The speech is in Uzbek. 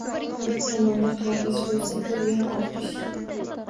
Bir tomonda qargʼish boʼlsa, bir yon olqish.